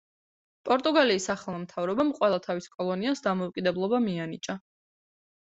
პორტუგალიის ახალმა მთავრობამ ყველა თავის კოლონიას დამოუკიდებლობა მიანიჭა.